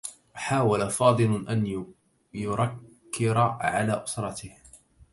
حاول فاضل أن يركّر على أسرته.